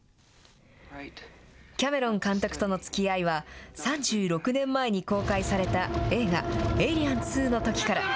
キャメロン監督とのつきあいは、３６年前に公開された映画、エイリアン２のときから。